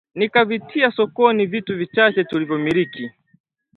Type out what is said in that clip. Nikavitia sokoni vitu vichache tulivyomiliki